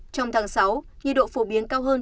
trong tháng sáu nhiệt độ phổ biến cao hơn